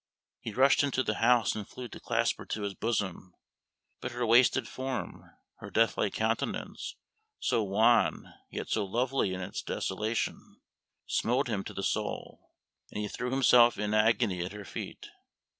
He rushed into the house and flew to clasp her to his bosom; but her wasted form, her deathlike countenance so wan, yet so lovely in its desolation smote him to the soul, and he threw himself in agony at her feet.